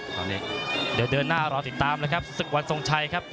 เดี๋ยวเดินหน้ารอติดตามเลยครับสุศึกวรรณส่งชัยครับ